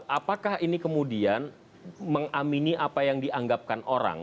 apakah ini kemudian mengamini apa yang dianggapkan orang